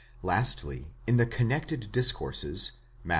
Lastly, in the connected discourses, Matt.